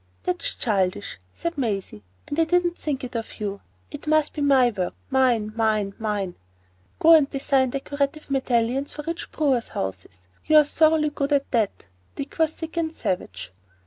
"That's childish," said Maisie, "and I didn't think it of you. It must be my work. Mine,—mine,—mine!" "Go and design decorative medallions for rich brewers' houses. You are thoroughly good at that." Dick was sick and savage.